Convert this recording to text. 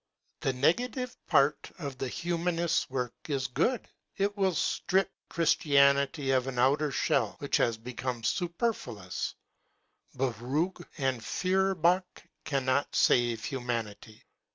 The negative part of the human ist's work is good ; it will strip Christianity of an outer shell, which has become super fluous ; but Ruge and Feuerbach cannot save humanity.